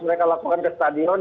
mereka lakukan ke stadion